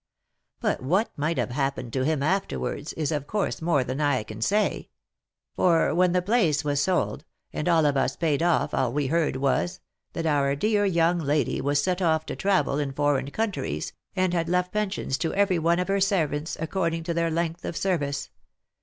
But what might have happened to him afterwards, is of course more than I can say ; for when the place was sold, and all of us paid off, all we heard was, that our dear young lady was set off to travel in foreign countries, and had left pensions to every one of her servants according to their length of service.